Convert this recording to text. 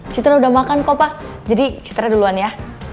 citra udah makan kok pa jadi citra duluan ya